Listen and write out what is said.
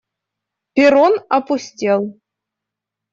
Перрон опустел.